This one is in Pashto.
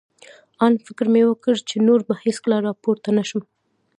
آن فکر مې وکړ، چې نور به هېڅکله را پورته نه شم.